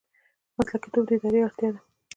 مسلکي توب د ادارې اړتیا ده